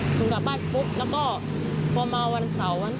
ถึงกลับบ้านปุ๊บแล้วก็พอมาวันเสาร์